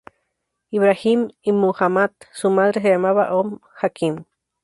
Ibrahim Ibn Muhammad, su madre se llamaba Om Hakim.